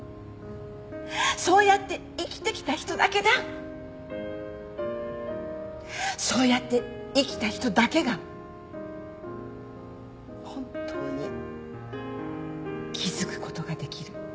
そうやって生きてきた人だけがそうやって生きた人だけが本当に気付くことができる。